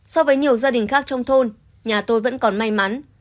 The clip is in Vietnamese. so với nhiều gia đình khác trong thôn nhà tôi vẫn còn may mắn